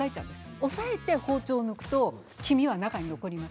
押さえて包丁を抜くと黄身は中に残ります。